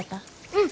うん。